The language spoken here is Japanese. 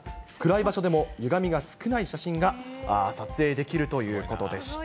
暗い場所でもゆがみが少ない写真が撮影できるということでした。